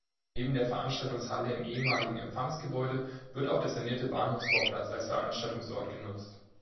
Neben der Veranstaltungshalle im ehemaligen Empfangsgebäude wird auch der sanierte Bahnhofsvorplatz als Veranstaltungsort genutzt.